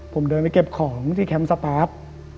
ผมเดินไปเก็บของที่แคมป์สปาร์ท